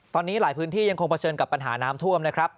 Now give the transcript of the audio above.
ตอนนี้หลายพื้นที่ยังคงเผชิญกับปัญหาน้ำท่วมนะครับ